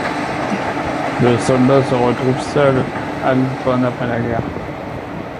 Le soldat se retrouve seul à Lisbonne après la guerre.